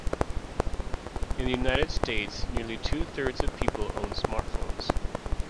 In the United States, nearly two-thirds of people own smartphones.